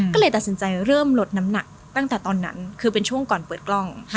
ก็เลยตัดสินใจเริ่มลดน้ำหนักตั้งแต่ตอนนั้นคือเป็นช่วงก่อนเปิดกล้อง